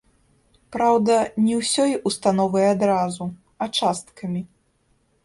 Праўда, не ўсёй установай адразу, а часткамі.